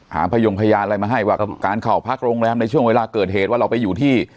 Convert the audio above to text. พยงพยานอะไรมาให้ว่าการเข้าพักโรงแรมในช่วงเวลาเกิดเหตุว่าเราไปอยู่ที่